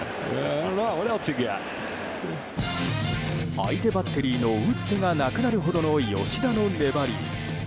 相手バッテリーの打つ手がなくなるほどの吉田の粘り。